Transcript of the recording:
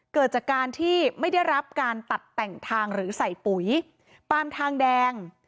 เกิดจากการที่ไม่ได้รับการตัดแต่งทางหรือใส่ปุ๋ยปามทางแดง